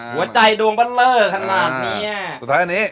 หัวใจดวงมาเบอร์ขนาดนี้